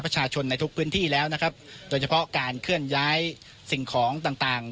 ในทุกพื้นที่แล้วนะครับโดยเฉพาะการเคลื่อนย้ายสิ่งของต่างต่าง